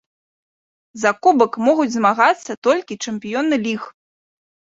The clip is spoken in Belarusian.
За кубак могуць змагацца толькі чэмпіёны ліг.